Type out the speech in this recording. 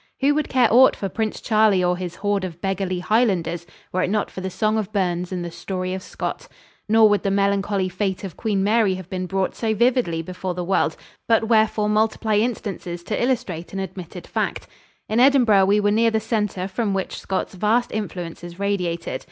Who would care aught for Prince Charlie or his horde of beggarly Highlanders were it not for the song of Burns and the story of Scott? Nor would the melancholy fate of Queen Mary have been brought so vividly before the world but wherefore multiply instances to illustrate an admitted fact? In Edinburgh we were near the center from which Scott's vast influences radiated.